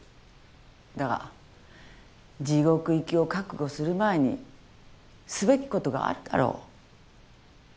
だが地獄行きを覚悟する前にすべきことがあるだろう。